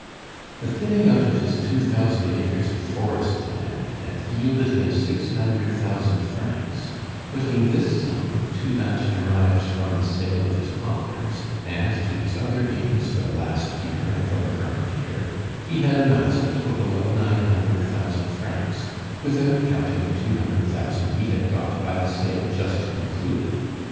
The thinning out of his two thousand acres of forest land had yielded him six hundred thousand francs: putting this sum to that derived from the sale of his poplars and to his other gains for the last year and for the current year, he had amassed a total of nine hundred thousand francs, without counting the two hundred thousand he had got by the sale just concluded.